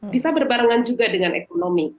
bisa berbarengan juga dengan ekonomi